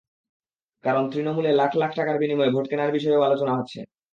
কারণ, তৃণমূলে লাখ লাখ টাকার বিনিময়ে ভোট কেনার বিষয়েও আলোচনা আছে।